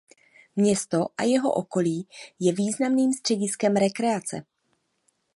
Město a jeho okolí je významným střediskem rekreace.